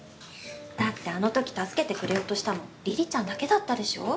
だってあのとき助けてくれようとしたの梨々ちゃんだけだったでしょ。